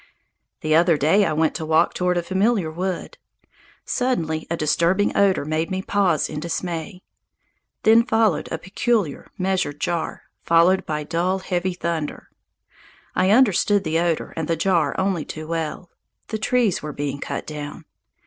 The other day I went to walk toward a familiar wood. Suddenly a disturbing odour made me pause in dismay. Then followed a peculiar, measured jar, followed by dull, heavy thunder. I understood the odour and the jar only too well. The trees were being cut down.